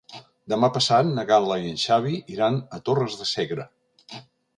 Demà passat na Gal·la i en Xavi iran a Torres de Segre.